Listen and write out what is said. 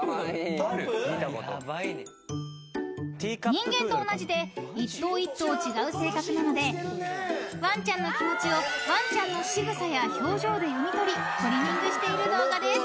［人間と同じで一頭一頭違う性格なのでワンちゃんの気持ちをワンちゃんのしぐさや表情で読み取りトリミングしている動画です］